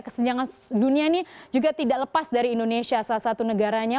kesenjangan dunia ini juga tidak lepas dari indonesia salah satu negaranya